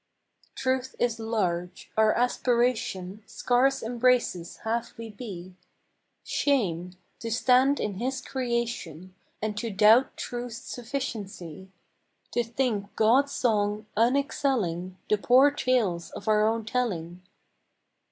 Truth is large. Our aspiration Scarce embraces half we be. Shame ! to stand in His creation And doubt Truth's sufficiency! To think God's song unexcelling The poor tales of our own telling.